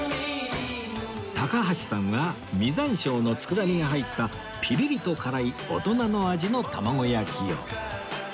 高橋さんは実山椒の佃煮が入ったピリリと辛い大人の味の玉子焼きを